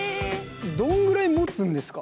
どんぐらいもつんですか